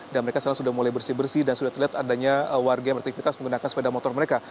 dan mereka sekarang sudah mulai bersih bersih dan sudah terlihat adanya warga yang bertikrit menggunakan sepeda motor mereka